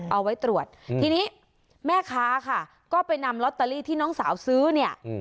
เอาไว้ตรวจทีนี้แม่ค้าค่ะก็ไปนำลอตเตอรี่ที่น้องสาวซื้อเนี่ย